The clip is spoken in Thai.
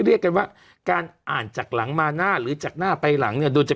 ถือไม่ถึงแน่หรือว่าไม่น่าจะถึงน่ะ